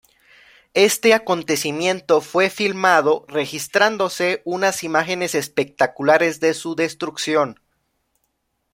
Este acontecimiento fue filmado, registrándose unas imágenes espectaculares de su destrucción.